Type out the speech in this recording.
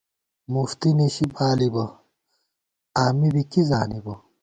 مُفتی نِشی بالِبہ ، آمی بی کی زانِبہ